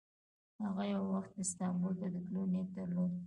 هغه یو وخت استانبول ته د تللو نیت درلود.